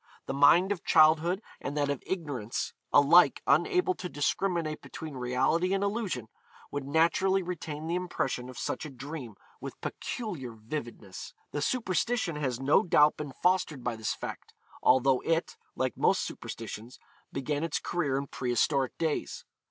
The mind of childhood and that of ignorance, alike unable to discriminate between reality and illusion, would naturally retain the impression of such a dream with peculiar vividness. The superstition has no doubt been fostered by this fact, although it, like most superstitions, began its career in pre historic days.